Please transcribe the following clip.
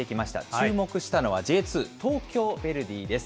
注目したのはＪ２・東京ヴェルディです。